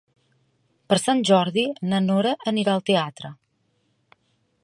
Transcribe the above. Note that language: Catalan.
Per Sant Jordi na Nora anirà al teatre.